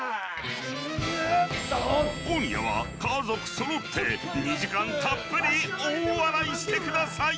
今夜は家族そろって２時間たっぷり大笑いしてください！